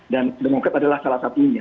dan demokrat adalah salah satunya